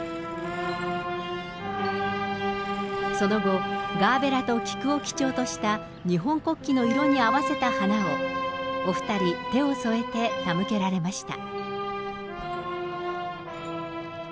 その後、ガーベラと菊を基調とした日本国旗の色に合わせた花をお２人、手を添えて手向けられました。